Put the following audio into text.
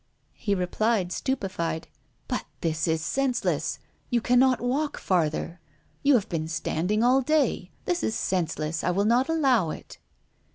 He replied, stupefied: "But this is senseless! You cannot walk farther. You have been standing all day. This is senseless; I will not allow it."